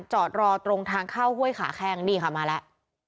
จอดรอตรงทางเข้าห้วยขาแข้งนี่ค่ะมาแล้ว